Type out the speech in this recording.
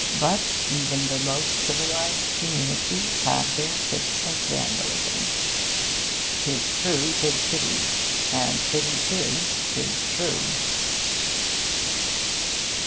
But even the most civilised communities have their fits of vandalism. ''Tis true, 'tis pity, and pity 'tis 'tis true.'